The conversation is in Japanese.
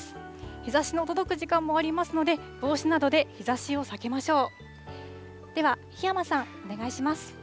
日ざしの届く時間もありますので、帽子などで日ざしを避けましょう。